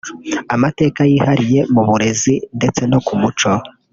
amateka yihariye mu burezi ndetse no ku muco